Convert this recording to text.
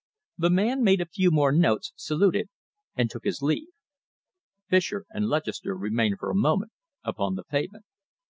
The man made a few more notes, saluted, and took his leave. Fischer and Lutchester remained for a moment upon the pavement.